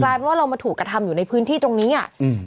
ว่าเรามาถูกกระทำอยู่ในพื้นที่ตรงนี้อ่ะอืม